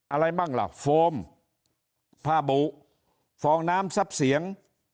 อะไรบ้างล่ะโฟมผ้าบุฟฟองน้ำซับเสียง